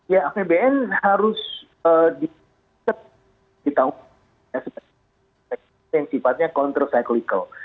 ya apbn harus diketahui